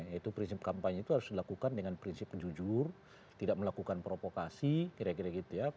yaitu prinsip kampanye itu harus dilakukan dengan prinsip jujur tidak melakukan provokasi kira kira gitu ya